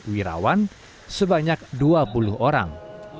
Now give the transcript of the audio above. di rawan sebanyak dua puluh orang